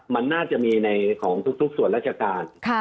มันน่าจะมีในของทุกส่วนราชการ